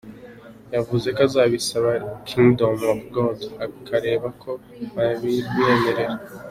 Yavuze ko azabisaba Kingdom of God akareba ko babimwemerera.